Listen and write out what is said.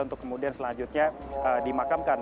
untuk kemudian selanjutnya dimakamkan